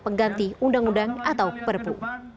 pengganti undang undang atau perpu